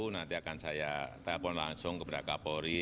nanti akan saya telepon langsung kepada kapolri